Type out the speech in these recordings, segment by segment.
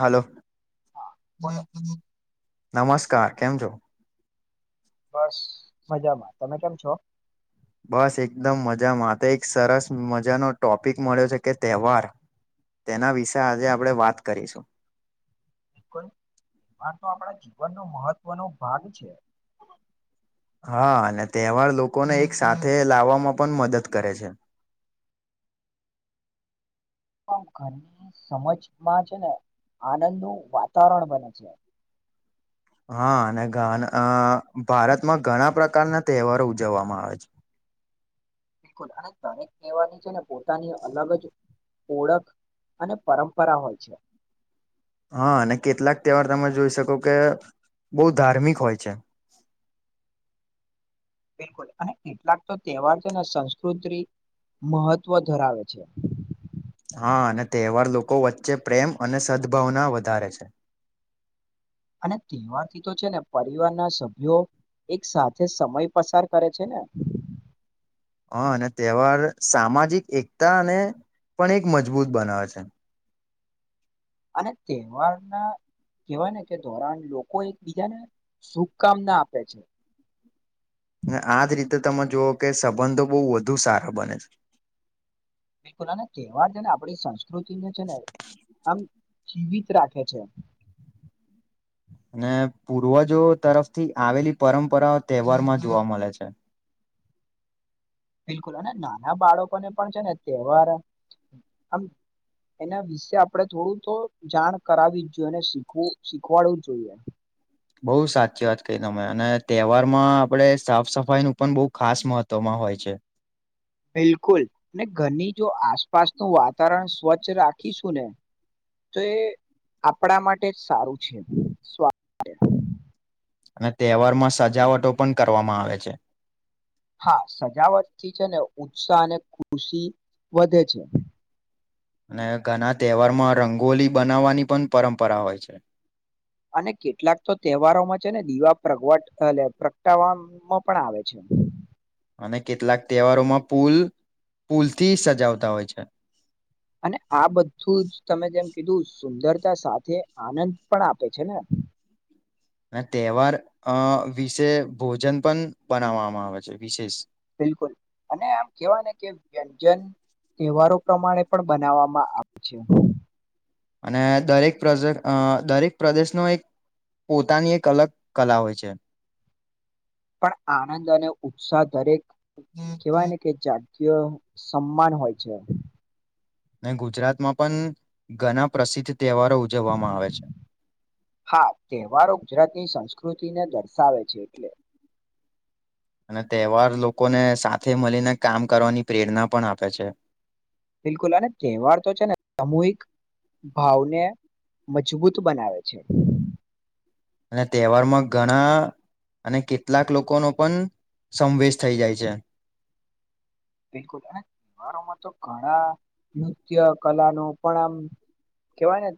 Hello હા બોલો નમસ્કાર કેમ છો. બસ મજામાં તમે કેમ છો. બસ એકદમ મજા માટે એક સરસ મજાનો ટોપિક મળ્યો છે કે તહેવાર તેના વિશે આજે આપણે વાત કરીશું. બિલકુલ તો આપણા જીવનનો મહત્વનો ભાગ છે. હા અને તહેવાર લોકોને એક સાથે લાવવામાં પણ મદદ કરે છે. [inaudible] [unintelligible] ઘરની સમજ માં જ ને આનંદ નું વાતાવરણ બને છે. હા અને ઘ ભારતમાં ઘણા પ્રકારના તહેવારો ઉજવવામાં આવે છે. [inaudible] [unintelligible] અને બિલકુલ દરેક કહેવાની છે ને પોતાની અલગ જ ઓળખ અને પરંપરા હોય છે. હા અને કેટલાક તહેવાર તમે જોઈ શકો કે બહુ ધાર્મિક હોય છે. [inaudible] [unintelligible] બિલકુલ અને કેટલાક તો તહેવાર છે ને સંસ્કૃતિ મહત્વ ધરાવે છે. હા અને તહેવાર લોકો વચ્ચે પ્રેમ અને સદભાવના વધારે છે. [inaudible] [unintelligible] અને તેહેવાથી તો છે ને પરિવારના સભ્યો એક સાથે સમય પસાર કરે છે ને હા અને તહેવાર સામાજિક એકતા અને પણ એક મજબૂત બનાવે છે. અને તવારના કવાય ને કે ધોરણ લોકો એકબીજાને શુભકામના આપે છે. અને આજ રીતે તમે જોુઓ કે સંબંધો બહુ વધુ સારા બને છે. બિલકુલ અને કેહેવાર છે ને આપણી સંસ્કૃતિને છે ને આમ જીવિત રાખે છે. અને પૂર્વજો તરફથી આવેલી પરંપરાઓ તહેવારમાં જોવા મળે છે. બિલકુલ અને નાના બાળકોને પણ છે ને તહેવાર એના વિશે આપણે થોડું તો જાણ કરાવવી જ જોઈએ અને શીખવું શીખવાડવું જોઈએ. બઉુ સાચી વાત કહી તમે અને તહેવારમાં આપડે સાફ સફાઈ નું પણ બહુ ખાસ મહત્વમાં હોય છે. [inaudible] [unintelligible] બિલકુલ ને ઘરની જો આસપાસનું વાતાવરણ સ્વચ્છ રાખીશું ને. તો, એ આપણા માટે જ સારું છે. [inaudible] અને તહેવારમાં સજાવટો પણ કરવામાં આવે છે. હા, સજાવટ થી છે, ને ઉત્સાહ અને ખુશી વધે છે. અને ઘણા તહેવારમાં રંગોલી બનાવવાની પણ પરંપરા હોય છે. અને કેટલાક તો તહેવારોમાં છે, ને દીવા પ્રગવટ એટ પ્રગટાવવામાં પણ આવે છે. [inaudible] અને કેટલાક તહેવારોમાં પુલ પુલથી સજાવતા હોય છે. અને આ બધું જ તમે જેમ કીધું સુંદર સાથે આનંદ પણ આપે છે, ને? અને તહેવાર અ વિશે ભોજન પણ બનાવવામાં આવે છે, વિશેષ. બિલકુલ અને આમ કેવાય ને કે વ્યંજન તહેવારો પ્રમાણે પણ બનાવવામાં આવે છે. અને દરેક પ્ર દરેક પ્રદેશનો એક પોતાની એક અલગ કલા હોય છે. પણ આનંદ અને ઉત્સાહ દરેક કહેવાય ને, કે કે સમાન હોય છે. અને ગુજરાતમાં પણ ઘણા પ્રસિદ્ધ તહેવારો ઉજવવામાં આવે છે. હા, તહેવારો ગુજરાતની સંસ્કૃતિને દર્શ સાવે છે, એટલે અને તહેવાર લોકોને સાથે મળીને કામ કરવાની પ્રેરણા પણ આપે છે. બિલકુલ, અને તહેવાર તો છે, ને સામૂહિક ભાવને મજબૂત બનાવે છે. અને તહેવારમાં ઘણા અને કેટલાક લોકોનો પણ સંવેશ થઈ જાય છે. બિલકુલ, અને તહેવારોમાં તો ઘણા નૃત્ય કલાનો પણ આમ કેવાયને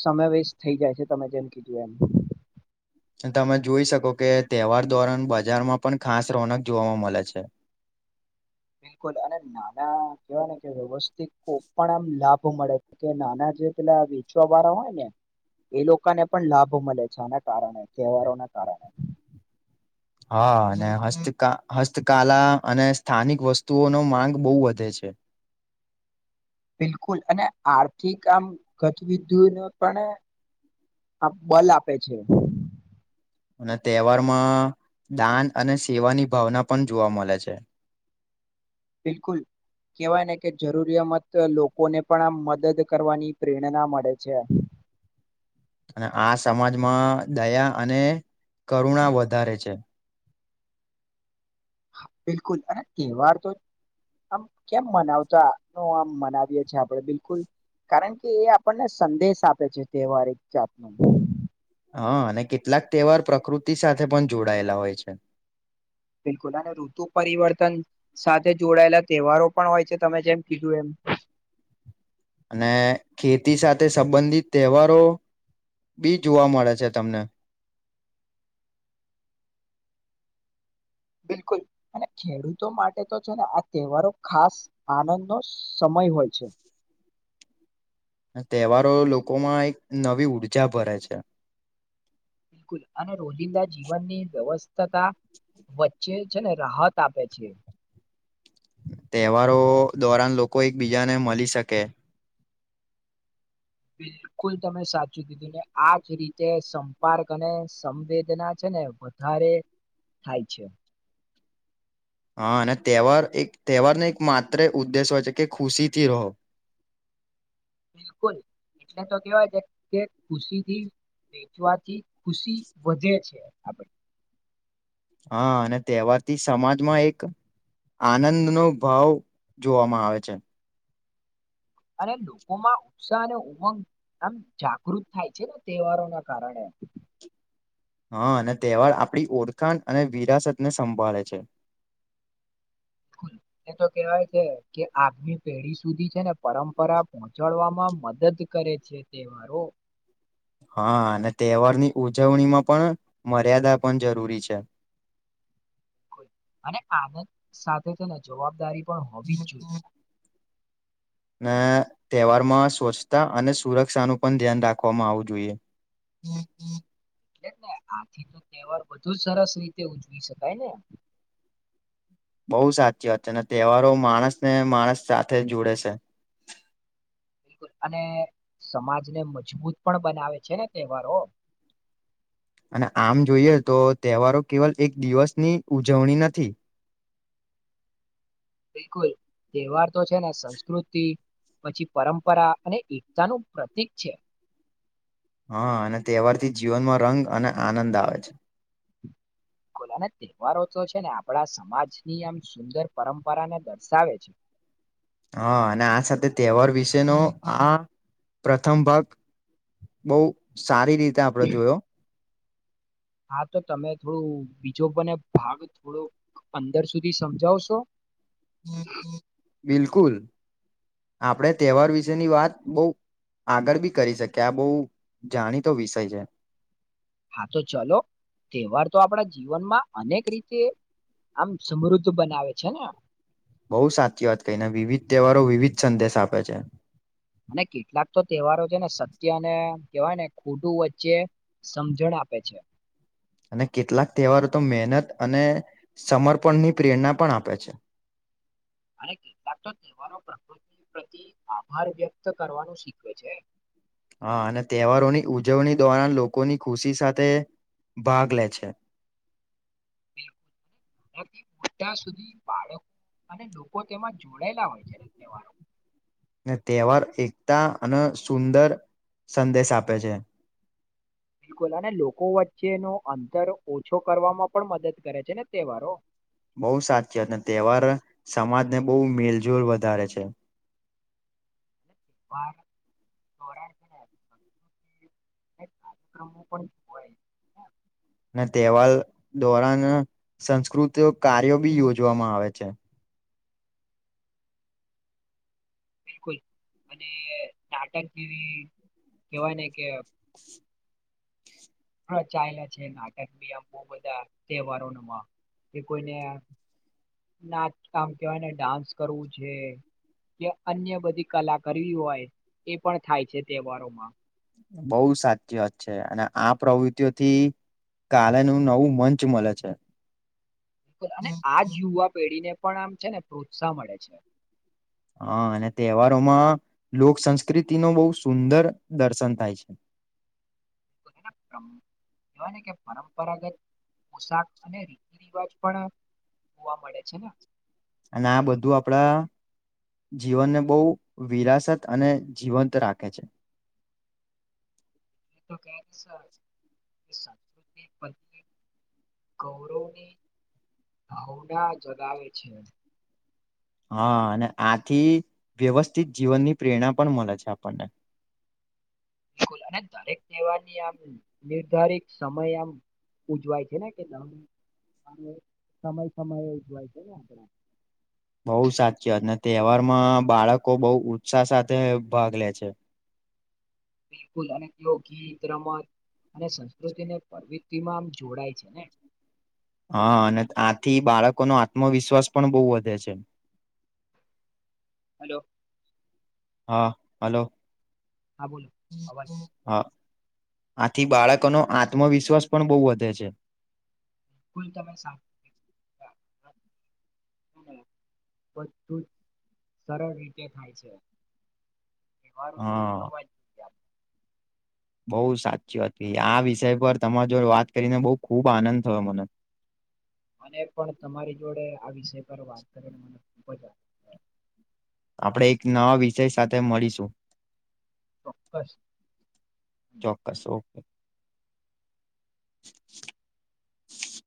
સમય વેસ્ટ થઈ જાય છે, તમે જેમ કીધું એમ તમે જોઈ શકો કે તહેવાર દોરણ બજારમાં પણ ખાસ રોનક જોવાવામાં મળે છે. [inaudible] બિલકુલ અને નાના કહેવાય ને, કે વ્યવસ્થિક તો પણ આમ લાભ મળે કે નાના જે પેલા વેચવાવાળા હોય ને એ લોકોને પણ લાભ મળે છે, આના કારણે તહેવારોના કારણે. હા, અને હસ્તક હસ્તકલા અને સ્થાનિક વસ્તુઓની માંગ બહુ વધે છે. છે. બિલકુલ, અને આર્થિક આમ ગતવિધિનું પણ આ બલ આપે છે. અને તહેવારમાં દાન અને સેવાની ભાવના પણ જોવા મળે છે. [inaudible] બિલકુલ. કહેવાય ને કે, જરૂરિયામત લોકોને પણ આ મદદ કરવાની પ્રેરણા મળે છે [inaudible] અને આ સમાજમાં દયા અને કરુણા વધારે છે. બિલકુલ અને તહેવાર તો આમ કેમ મનાવતા આમ મનાવીએ છીએ. આપણે બિલકુલ કારણ કે એ આપણને સંદેશ આપે છે. તહેવાર એક જાતનું હા, અને કેટલાક તહેવાર પ્રકૃતિ સાથે પણ જોડાયેલા હોય છે. બિલકુલ અને ઋતુ પરિવર્તન સાથે જોડાયેલા તહેવારો પણ હોય છે, તમે જેમ કીધું એમ. અને ખેતી સાથે સંબંધિત તહેવારો બી જોવા મળે છે. તમને બિલકુલ અને ખેડૂતો માટે તો છે, ને આ તહેવારો ખાસ આનંદ નો સમય સમય હોય છે તહેવારો લોકોમાં એક નવી ઊર્જા ભરે છે બિલકુલ અને રોજિંદા જીવનની વ્યવસ્થાતા વચ્ચે છે ને રાહત આપે છે તહેવારો દોરાન લોકો એકબીજાને મળી શકે બિલકુલ તમે સાચું કીધું ને આજ રીતે સંપર્ક અને સંવેદના છે ને વધારે થાય છે હા અને તહેવાર એક તહેવારનો એક માત્ર ઉદ્દેશ હોય છે કે ખુશી થી રહો [inaudible] બિલકુલ એટલે તો કેવાય છે કે ખુશી થી વેચવાથી ખુશી વધે છે આપણે હા અને તહેવારથી સમાજમાં એક આનંદ નો ભાવ જોવામાં આવે છે અને લોકોમાં ઉત્સાહ અને ઉમંગ આમ જાગૃત થાય છે ને તહેવારો ના કારણે [inaudible] હા અને તહેવાર આપણી ઓળખાણ અને વિરાસત ને સંભાળે છે [inaudible] હ [unintelligible] એ તો કેવાય છે કે આદમી પેઢી સુધી છે ને પરંપરા પોહોંચાડવામાં મદદ કરે છે તહેવારો હા અને તહેવારની ઉજવણીમાં પણ મર્યાદા પણ જરૂરી છે. [inaudible] અને આનંદ સાથે તેને જવાબદારી પણ હોવી જ જોઈએ. અને તહેવાર માં સ્વચ્છતા અને સુરક્ષા નું પણ ધ્યાન રાખવામાં આવવું જોઈએ. હમ હમ. એટલે ને આથી તો તહેવાર બધુ જ સરસ રીતે ઉજવી શકાય ને. બહુ સાચી વાત અને તહેવારો માણસ ને માણસ સાથે જોડે છે. [inaudible] બિલકુલ અને સમાજને મજબૂત પણ બનાવે છે ને તહેવારો [inaudible] અને આમ જોઈએ તો તહેવારો કેવલ એક દિવસની ઉજવણી નથી. [inaudible] બિલકુલ તહેવાર તો છે ને સંસ્કૃતિ પછી પરંપરા અને એકતાનું પ્રતીક છે. હા અને તહેવારથી જીવનમાં રંગ અને આનંદ આવે છે. ખલાના તહેવારો તો છે ને આપણા સમાજની આમ સુંદર પરંપરાને દર્શાવે છે. હ હા અને આ સાથે તહેવાર વિશેનો આ પ્રથમ ભાગ બહુ સારી રીતે આપણે જોયો. હા તો તમે થોડું બીજો બને ભાગ થોડો અંદર સુધી સમજાવશો. બિલકુલ આપડે તહેવાર વિશેની વાત બહ આગળ બી કરી શકે આ બહુ જાણીતો વિષય છે. હા તો ચલો તહેવાર તો આપણા જીવનમાં અનેક રીતે આમ સમ તુ બનાવે છે ને બઉુ સાચી વાત કહીને વિવિધ તહેવારો વિવિધ સંદેશ આપે છે. અને કેટલાક તો તહેવારો છે ને સત્ય અને કવાય ને ખોડું વચ્ચે સમજણ આપે છે. અને કેટલાક તહેવારો તો મહેનત અને સમર્પણની પ્રેરણા પણ આપે છે. [inaudible] અને કેટલાક તો તહેવારો પ્રકૃતિ પ્રતિ આભાર વ્યક્ત કરવાનું શીખવે છે. હા અને તહેવારોની ઉજવણી દોરાન લોકોની ખુશી સાથે ભાગ લે છે. નાથી મોટા સુધી બાળકો અને લોકો તેમાં જોડાયેલા હોય છે ને તહેવારો ને તહેવાર એકતા અને સુંદર સંદેશ આપે છે. બિલકુલ અને લોકો વચ્ચેનો અંતર ઓછો કરવામાં પણ મદદ કરે છે ને તહેવારો બહુ સાચી અને તહેવાર સમાજને બહુ મિલઝુલ વધારે છે. [inaudible] [inaudible] કારક્રમો પણ હોય. અને તહેવાર દોરાન સંસ્કૃત કાર્યો બી યોજવામાં આવે છે. બિલકુલ અને નાટક એવી કેવાય ને કે ચાલે છે નાટક બી આમ બ બધા તહેવારો કે કોઈને નાચ કામ કેવાયને ડાન્સ કરવું છે. કે અન્ય બધી કલા કરવી હોય એ પણ થાય છે તહેવારોમાં બઉુ સાચી વાત છે અને આ પ્રવૃતિઓથી કાલેનું નવું મંચ મળે છે. બલકુલ અને આજ યુવા પેઢી ને પણ આમ છે ને પ્રોત્સાહ મળે છે. હા અને તહેવારોમાં લોક સંસ્કૃતિ ન બહુ સુંદર દર્શન થાય છે. હ બનકમ [unintelligible] કવાય ને કે પરંપરાગત પોશાક અને રીતિ રિવાજ પણ જોવા મળે છે ને. અને આ બધું આપડા જીવનને બહુ વિરાસત અને જીવંત રાખે છે. [inaudible] એ તો કૃ [unintelligible] ગૌરવની ભાવના જગાવે છે. હા અને આથી વ્યવસ્થિત જીવનની પ્રેરણા પણ મળે છે આપણને [inaudible] બિલકુલ અને દરેક તહેવારની આમ નિર્ધારિત સમય આમ ઉજવાય છે ને કે ના અને સમય સમય એવ જ હોય છે ને આપણે બઉુ સાચીત અને તહેવારમાં બાળકો બહુ ઉત્સાહ સાથે ભાગ લે છે. [inaudible] બિલકુલ અને તેઓ ગીત રમત અને સંસ્કૃતિને પ્રવૃત્તિમાં આમ જોડાય છે ને હા અને આથી બાળકોનો આત્મવિશ્વાસ પણ બહુ વધે છે. [inaudible] હલો. હા હાલો હા બોલો અવાજ હા. આથી બાળકોનો આત્મવિશ્વાસ પણ બહુ વધે છે. બલકુલ તમે બધું જ સરળ રીતે થાય છે તહેવારો તો ઉજવવા જઈ બઉુ સાચી વાત આ વિષય પર તમારા જોડે વાત કરીને બઉ ખુબ આનંદ થયો મને. અને પણ તમારી જોડે આ વિષય પર વાત કરીને મને ખુબ જ થયો. આપણેે એક નવા વિષય સાથે મળીશું. ચોક્કસ ચોક્કસ ઓકે. [inaudible]